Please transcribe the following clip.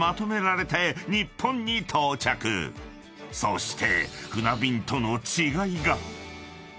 ［そして］